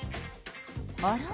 あら？